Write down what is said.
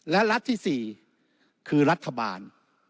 และรัฐที่๔คือรัฐบาล